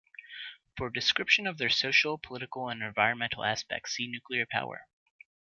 For a description of their social, political, and environmental aspects, see nuclear power.